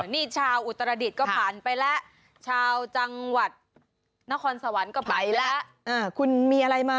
นี่ชาวอุตรดิษฐ์ก็ผ่านไปแล้วชาวจังหวัดนครสวรรค์ก็ไปแล้วคุณมีอะไรมา